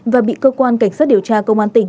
và bị cơ quan cảnh sát điều tra công an tỉnh